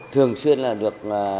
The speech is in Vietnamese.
thường xuyên là được